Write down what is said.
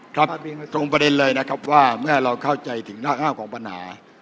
ครับตรงประเด็นเลยนะครับว่าเมื่อเราเข้าใจถึงหน้าห้าวของปัญหา